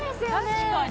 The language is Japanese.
確かに。